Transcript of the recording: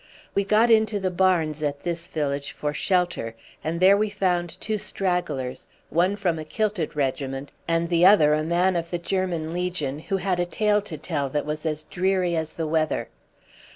We got into the barns at this village for shelter, and there we found two stragglers one from a kilted regiment, and the other a man of the German Legion, who had a tale to tell that was as dreary as the weather.